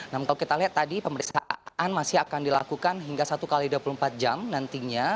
namun kalau kita lihat tadi pemeriksaan masih akan dilakukan hingga satu x dua puluh empat jam nantinya